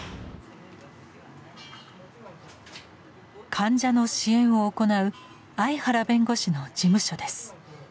患者の支援を行う相原弁護士の事務所です。